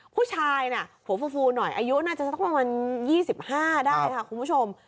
ผู้ชายน่ะหัวฟูหน่อยอายุน่าจะสักประมาณ๒๕ได้ค่ะคุณผู้ชม